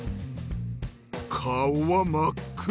顔は真っ黒。